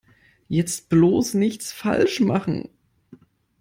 Jetzt bloß nichts falsch machen!